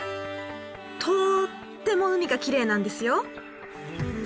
とっても海がきれいなんですよ。